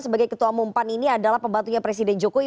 sebagai ketua mumpan ini adalah pebatunya presiden jokowi